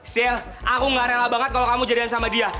sil aku ga rela banget kalo kamu jadian sama dia